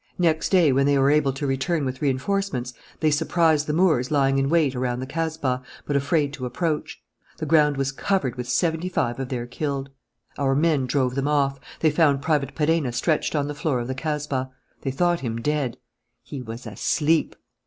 Next day, when they were able to return with reinforcements, they surprised the Moors lying in wait around the kasbah, but afraid to approach. The ground was covered with seventy five of their killed. Our men drove them off. They found Private Perenna stretched on the floor of the kasbah. They thought him dead. He was asleep!